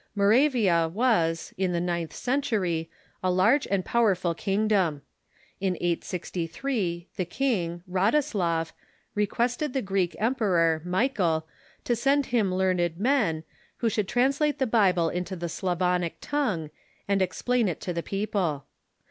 Moravia was, in the ninth century, a large and powerful kingdom. In 863 the king, Rostislav, requested the Greek emperor, Michael, to send him learned men, who should translate the Bible into the Slavonic tongue, and ex plain it to the people.